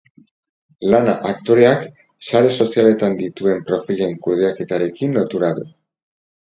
Lana aktoreak sare sozialetan dituen profilen kudeaketarekin lotura du.